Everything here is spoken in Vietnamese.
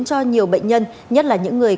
cho nhiều bệnh nhân nhất là những người